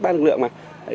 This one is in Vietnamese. ba lực lượng mà